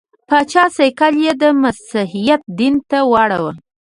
پاچا سکل یې د مسیحیت دین ته واړاوه.